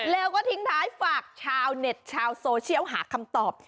แล้วก็ทิ้งท้ายฝากชาวเน็ตชาวโซเชียลหาคำตอบ